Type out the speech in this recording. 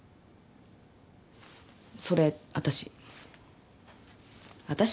それ私。